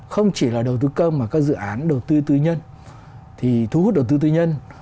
không chỉ là đầu tư công mà các dự án đầu tư tư nhân thì thu hút đầu tư tư nhân